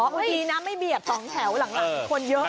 เหรอดีนะไม่เบียบ๒แถวหลังนั้นคนเยอะ